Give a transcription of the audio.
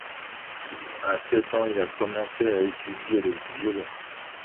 À sept ans, il a commencé à étudier le violon.